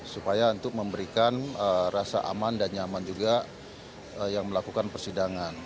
supaya untuk memberikan rasa aman dan nyaman juga yang melakukan persidangan